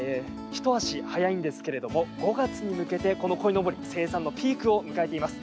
一足早いんですけれども５月に向けて、この鯉のぼり生産のピークを迎えています。